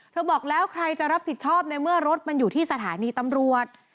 บอกแล้วใครจะรับผิดชอบในเมื่อรถมันอยู่ที่สถานีตำรวจ